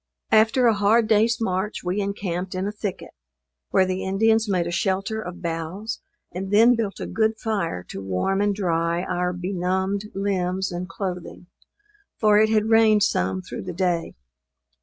After a hard day's march we encamped in a thicket, where the Indians made a shelter of boughs, and then built a good fire to warm and dry our benumbed limbs and clothing; for it had rained some through the day.